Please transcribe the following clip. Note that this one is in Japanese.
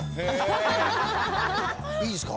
いいっすか？